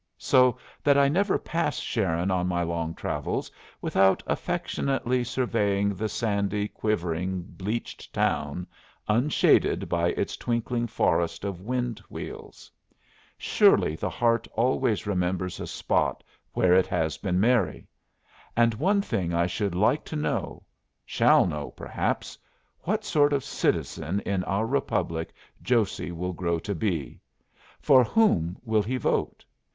So that I never pass Sharon on my long travels without affectionately surveying the sandy, quivering, bleached town, unshaded by its twinkling forest of wind wheels. Surely the heart always remembers a spot where it has been merry! And one thing I should like to know shall know, perhaps: what sort of citizen in our republic Josey will grow to be. For whom will he vote?